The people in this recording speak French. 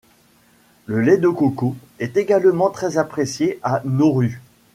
Le lait de coco est également très apprécié à Nauru.